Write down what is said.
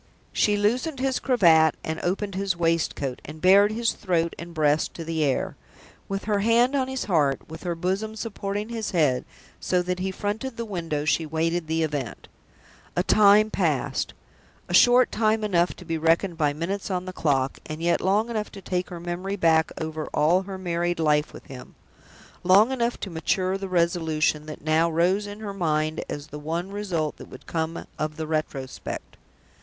She loosened his cravat and opened his waistcoat, and bared his throat and breast to the air. With her hand on his heart, with her bosom supporting his head, so that he fronted the window, she waited the event. A time passed: a time short enough to be reckoned by minutes on the clock; and yet long enough to take her memory back over all her married life with him long enough to mature the resolution that now rose in her mind as the one result that could come of the retrospect.